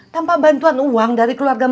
tanpa bantu tawar dari keluarga mereka